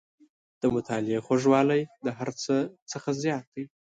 • د مطالعې خوږوالی د هر څه نه زیات دی.